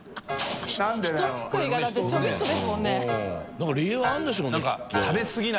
何か理由あるんでしょうねきっと。